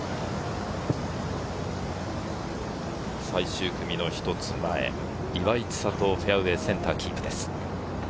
最終組の１つ前、岩井千怜、フェアウエー、センターキープです。